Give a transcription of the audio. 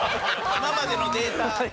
今までのデータ。